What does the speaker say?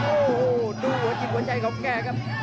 โอ้โหดูหัวจิตหัวใจของแกครับ